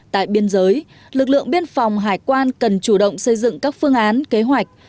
tại biên giới lực lượng biên phòng hải quan cần chủ động xây dựng các phương án kế hoạch